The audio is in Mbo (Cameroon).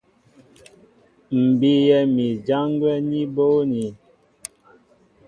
M̀ bíyɛ́ mi ján gwɛ́ ní bóónī.